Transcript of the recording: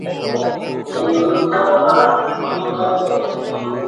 প্রতারণা করতে চক্রটি নগর গোয়েন্দা পুলিশের একজন এসআইয়ের নামও ব্যবহার করছিল।